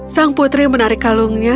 sang putri menarik kalungnya